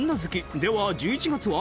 では１１月は？